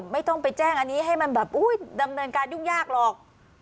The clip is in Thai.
ไม่ต้องไปแจ้งอันนี้ให้มันแบบอุ๊ยดำเนินการยุ่งยากหรอก